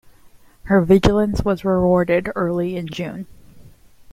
Her vigilance was rewarded early in June.